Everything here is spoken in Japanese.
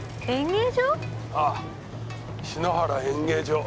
ああ篠原演芸場。